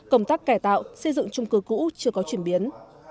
công tác cải tạo xây dựng trung cư cũ chưa có chuyển biến